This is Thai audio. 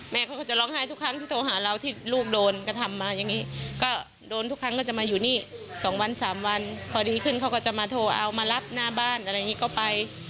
เขาก็จะร้องไห้ทุกครั้งที่โทรหาเราที่ลูกโดนกระทำมาอย่างนี้ก็โดนทุกครั้งก็จะมาอยู่นี่๒วัน๓วันพอดีขึ้นเขาก็จะมาโทรเอามารับหน้าบ้านอะไรอย่างนี้ก็ไป